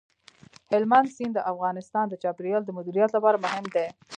هلمند سیند د افغانستان د چاپیریال د مدیریت لپاره مهم دي.